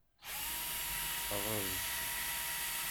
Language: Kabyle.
Ṛez.